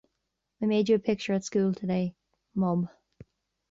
I made you a picture at school today, Mum.